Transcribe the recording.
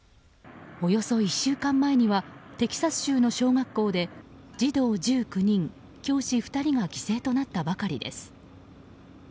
およそ１週間前にはテキサス州の小学校で児童１９人教師２人が犠牲となったばかりです。